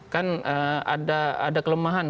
kan ada kelemahan